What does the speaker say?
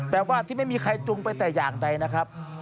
แปลว่าที่ไม่มีใครจุงไปแต่อย่างใดนะครับ